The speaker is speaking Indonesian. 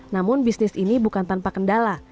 namun bisnis ini bukan tanpa kendala